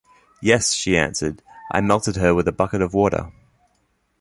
"Yes," she answered, "I melted her with a bucket of water."